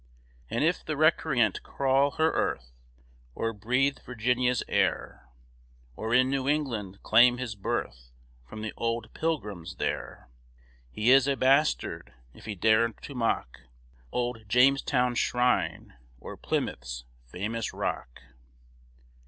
And if the recreant crawl her earth, Or breathe Virginia's air, Or in New England claim his birth, From the old pilgrims there, He is a bastard if he dare to mock Old Jamestown's shrine or Plymouth's famous rock.